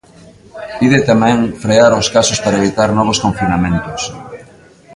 Pide tamén frear os casos para evitar novos confinamentos.